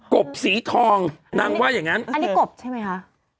กบสีทองนางว่าอย่างงั้นอันนี้กบใช่ไหมคะ